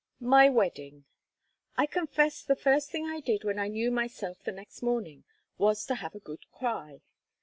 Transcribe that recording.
MY WEDDING. I confess the first thing I did when I knew myself the next morning was to have a good cry.